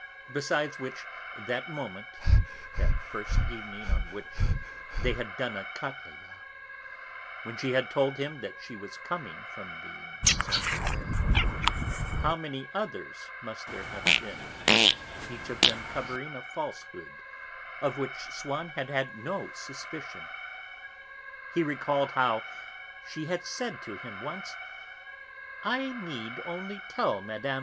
Besides that moment (that first evening on which they had "done a cattleya") when she had told him that she was coming from the Maison Dorée, how many others must there have been, each of them covering a falsehood of which Swann had had no suspicion. He recalled how she had said to him once: "I need only tell Mme.